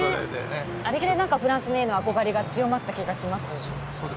あれで、フランスへの憧れが強まった気がします。